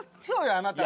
あなたも。